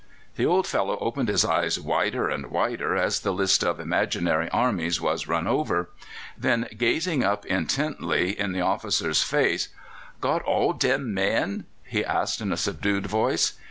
The old fellow opened his eyes wider and wider as the list of imaginary armies was run over. Then, gazing up intently in the officer's face: "Got all dem men?" he asked in a subdued voice.